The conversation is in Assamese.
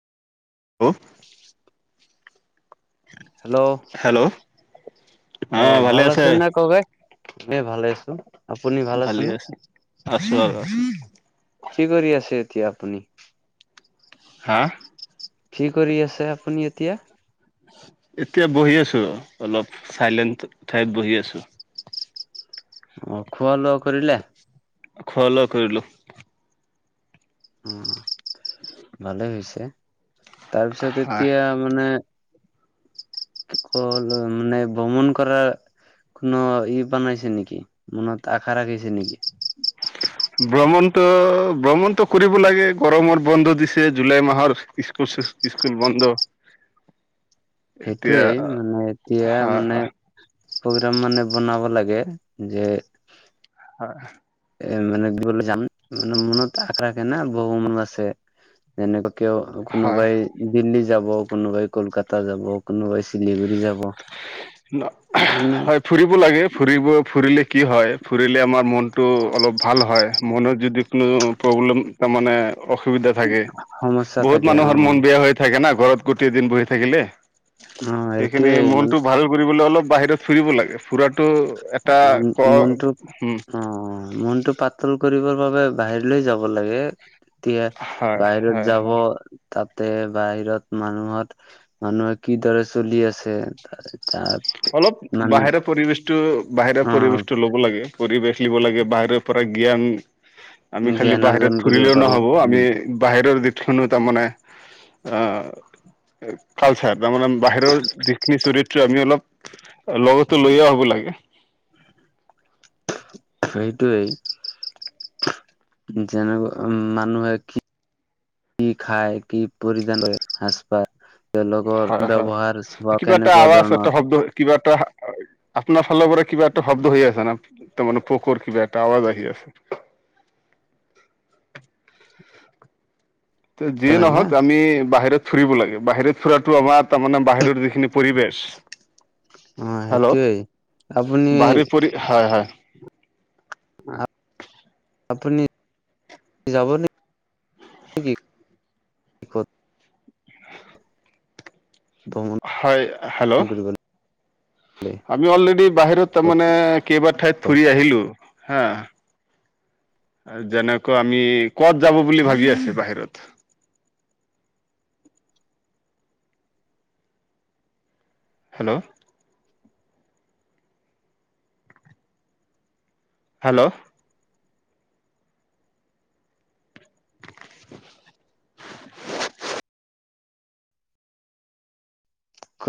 অ [inaudible] হেল্ল'? হেল্ল' অ, ভাল আছে নে ককাই? নে ভালে আছো, আপুনি ভাল ভালে আছেনে? আছে। আছো আৰু আছো। কি কৰি আছে এতিয়া আপুনি? হা'? কি কৰি আছে আপুনি এতিয়া? এতিয়া বহি আছোঁ, অলপ চাইলেণ্ট ঠাইত বহি আছোঁ। অ', খোৱা - লোৱা কৰিলে? খোৱা - লোৱা কৰিলোঁ। উম, ভালেই হৈছে তাৰপিছত হয়। এতিয়া মানে কল মানে ভ্ৰমণ কৰা কোন ই বনাইছে নেকি? মনত আশা ৰাখিছে নেকি? ভ্ৰমণটো, ভ্ৰমণটো কৰিব লাগে, গৰমৰ বন্ধ দিছে জুলাই মাহৰ ইচ স্কুল ছিছ স্কুল বন্ধ। এতিয়া সেইটোৱেই মানে এতিয়া হয় হয় মানে প্ৰগ্ৰাম মানে বনাব লাগে যে হয়। এ মানে [unintelligible] যাম, মানে মনত আশা ৰাখে না বহু মন আছে। যেনেকৈ কিয়, কোনোবাই হয়। দিল্লী যাব, কোনোবাই কলকাতা যাব। কোনোবাই চিলিগুৰি যাব মানে হয় ফুৰিব লাগে, ফুৰিব ফুৰিলে কি হয়? ফুৰিলে আমাৰ মন টো অলপ ভাল হয়। মনত যদি কোনো প্ৰব্লেম তাৰমানে অসুবিধা থাকে। সমস্যা বহুত থাকে অ মানুহৰ মন বেয়া হৈ থাকে নহয় ঘৰত গোটেই দিন বহি থাকিলে। অ সেইখিনি এইটোয়ে মান মনটো ভাল কৰিবলৈ অলপ বাহিৰত ফুৰিব লাগে। ফুৰাত মুন মূ্নটো উম অ' মূ্নটো পাত তোন কৰিবৰ বাবে বাহিৰলৈ যাব লাগে, এতিয়া হয় বাহিৰত হয় যাব হয় তাতে বাহিৰত, মানুহত মানুহে কি দৰে চলি আছে তাৰে তাত অলপ মানে বাহিৰে পৰিবেশটো, বাহিৰে অ পৰিবেশটো ল'ব লাগে, পৰিবে থিব লাগে, বাহিৰৰ পৰা জ্ঞান আমি খালি জ্ঞান অৰ্জন বাহিৰত কৰিব ফুৰিলেও পাৰো নহ'ব উম আমি বাহিৰৰ দেখিলোঁ ন তাৰমানে অ' আ কালচাৰ তাৰমানে বাহিৰৰ যিখিনি চৰিত্ৰ আমি অলপ লগতো লৈয়েও আহিব লাগে। সেইটোৱেই। যেনেকুৱা মানুহে কি কি খাই? কি পৰিধান কৰে? সাজপাৰ, তেওঁলোকৰ হয় হয় ব্যৱহাৰ বা কিবা এটা কেনেকুৱা আৱাজ এটা ধৰণৰ শব্দ কিবা এটা হাই আপোনাৰ ফালৰ পৰা কিবা এটা শব্দ হৈ আছে না, তাৰমানে, পোকৰ কিবা এটা আৱাজ আহি আছে। যিয়ে নাই না নহওক, আমি বাহিৰত ফুৰিব লাগে, বাহিৰত ফুৰাটো আমাৰ, তাৰমানে বাহিৰৰ যিখিনি পৰিৱেশ অ', হেল্ল' সেইটোৱেই আপুনি বাহিৰ পৰি হয় হয় আ, আপুনি, যাবনে ক'ত ভ্ৰমণ হয় হেল্ল? কৰিবলৈ আমি অলৰেডি বাহিৰত, তাৰমানে কেইবা ঠাইত ক'ত ফুৰি আহিলো হা। যেনেকৈ, আমি ক'ত যাব বুলি ভাবি আছে বাহিৰত? হেল্ল? হেল্ল? [inaudible]